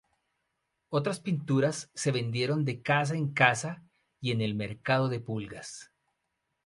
Otras pinturas se vendieron de casa en casa y en el mercado de pulgas.